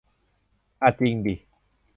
อ่ะจิงดิ